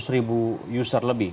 seratus ribu user lebih